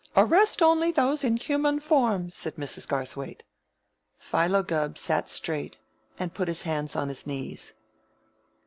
"Arrest only those in human form," said Mrs. Garthwaite. Philo Gubb sat straight and put his hands on his knees.